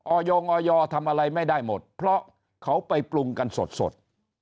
ยงออยทำอะไรไม่ได้หมดเพราะเขาไปปรุงกันสด